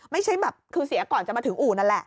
ไม่ใช่แบบคือเสียก่อนจะมาถึงอู่นั่นแหละ